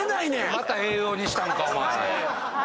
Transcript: また栄養にしたんか！